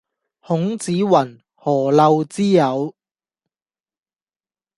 孔子云：「何陋之有？」